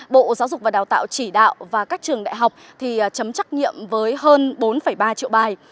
bộ giáo dục và đào tạo chỉ đạo và các trường đại học chấm trách nhiệm với hơn bốn ba triệu bài